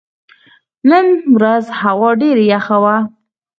نن ورځ هوا ډېره یخه وه.